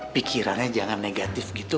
pikirannya jangan negatif gitu